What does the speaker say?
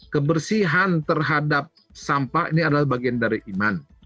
kebersihan terhadap sampah ini adalah bagian dari iman